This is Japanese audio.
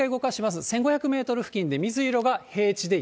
１５００メートル付近が水色が平地で雪。